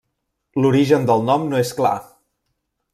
L'origen del nom no és clar.